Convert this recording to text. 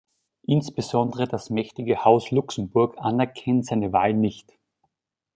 Insbesondere das mächtige Haus Luxemburg anerkennt seine Wahl nicht.